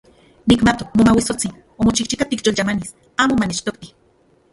Nikmatok Momauitsotsin omochijchika tikyolyamanis amo manechtokti.